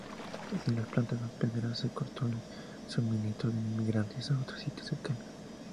Sin las plantas hospederas, se cortó el suministro de inmigrantes a otros sitios cercanos.